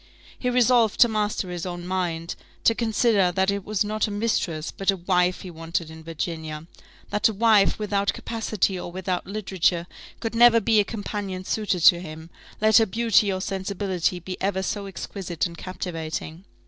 He resolved to master his own mind: to consider that it was not a mistress, but a wife he wanted in Virginia; that a wife without capacity or without literature could never be a companion suited to him, let her beauty or sensibility be ever so exquisite and captivating.